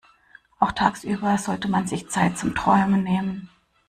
Auch tagsüber sollte man sich Zeit zum Träumen nehmen.